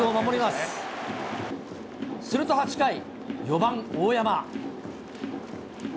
すると８回、４番大山。